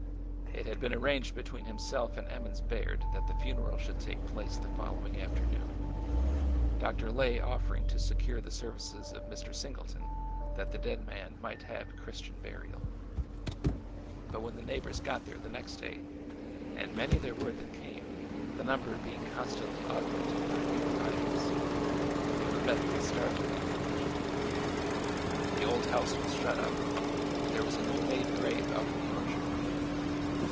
| It had been arranged between himself and Emmons Baird that the funeral should take place the following ;; afternoon, Dr. Lay offering to secure the services of Mr. Singleton, that the dead man might have Christian burial. i66 A MEMORABLE CAMPAIGN 167 But when the neighbors got there the next day— and many there were that came, the number being constantly augmented by new arrivals— they were met with startling information. The old house was shut up, and there was a new made grave out in the orchard.